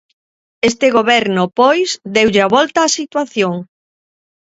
Este goberno, pois, deulle a volta á situación.